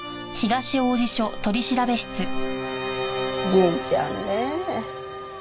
銀ちゃんねえ。